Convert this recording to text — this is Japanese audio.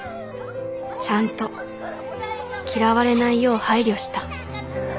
ちゃんと嫌われないよう配慮した